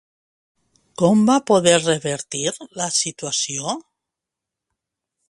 Com va poder revertir la situació?